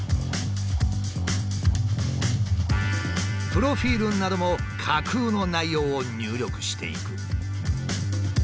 プロフィールなども架空の内容を入力していく。